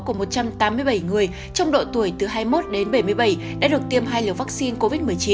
của một trăm tám mươi bảy người trong độ tuổi từ hai mươi một đến bảy mươi bảy đã được tiêm hai liều vaccine covid một mươi chín